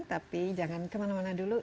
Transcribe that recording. tapi jangan kemana mana dulu